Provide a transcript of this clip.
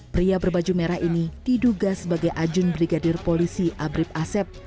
pria berbaju merah ini diduga sebagai ajun brigadir polisi abrib asep